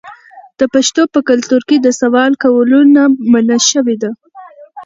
د پښتنو په کلتور کې د سوال کولو نه منع شوې ده.